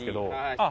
あっ！